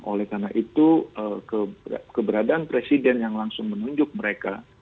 oleh karena itu keberadaan presiden yang langsung menunjuk mereka